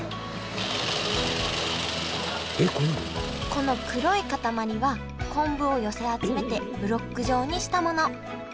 この黒い固まりは昆布を寄せ集めてブロック状にしたもの。